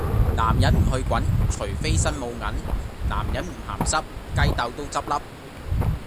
男人唔去滾，除非身冇銀;男人唔鹹濕，雞竇都執粒!